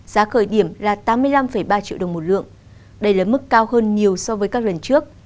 giá khởi điểm là tám mươi năm ba triệu đồng một lượng đây là mức cao hơn nhiều so với các lần trước